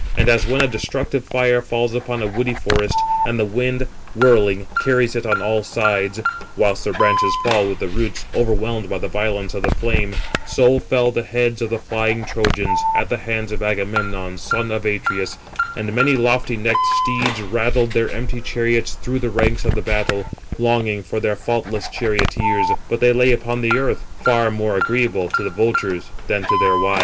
And as when a destructive fire falls upon a woody forest, and the wind whirling carries it on all sides, whilst the branches fall with the roots, overwhelmed by the violence of the flame; so fell the heads of the flying Trojans, at the hand of Agamemnon, son of Atreus, and many lofty necked steeds rattled their empty chariots through the ranks 367 of the battle, longing for their faultless charioteers; but they lay upon the earth, far more agreeable to the vultures than to their wives.